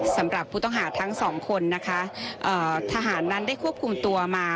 สำหรับผู้ต้องหาทั้งสองคนนะคะทหารนั้นได้ควบคุมตัวมา